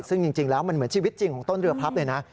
ซึ่งจริงแล้วมันเหมือนชีวิตจริงของต้นเรือพลับเลยนะ